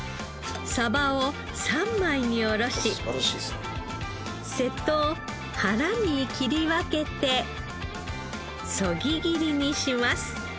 サバを３枚に下ろし背と腹に切り分けてそぎ切りにします。